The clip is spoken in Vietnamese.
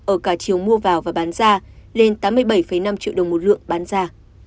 ở cả chiều mua vào và bán ra lên tám mươi bảy năm triệu đồng một lượng bán ra